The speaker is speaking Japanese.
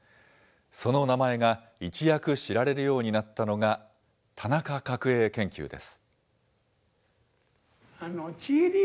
その名前が一躍知られるようになったのが、田中角栄研究です。